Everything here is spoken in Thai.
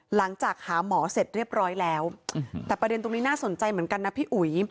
หลังจากหาหมอเสร็จเรียบร้อยแล้วแต่ประเด็นตรงนี้น่าสนใจเหมือนกันนะพี่อุ๋ย